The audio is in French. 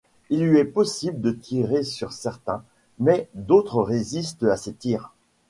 Il lui est possible de tirer sur certains, mais d'autres résistent à ses tirs.